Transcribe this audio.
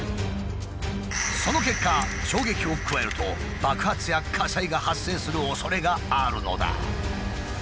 その結果衝撃を加えると爆発や火災が発生するおそれがあるのだ。